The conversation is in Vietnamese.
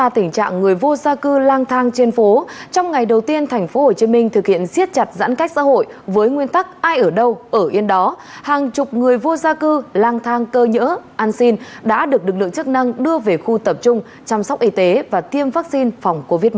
trong những ngày thực hiện siết chặt giãn cách xã hội với nguyên tắc ai ở đâu ở yên đó hàng chục người vô gia cư lang thang cơ nhỡ ăn xin đã được lực lượng chức năng đưa về khu tập trung chăm sóc y tế và tiêm vaccine phòng covid một mươi chín